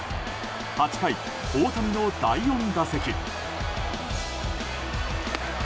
８回、大谷の第４打席。